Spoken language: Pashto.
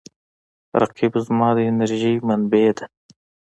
رقیب زما د انرژۍ منبع دی